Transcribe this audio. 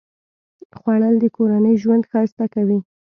خوړل د کورنۍ ژوند ښایسته کوي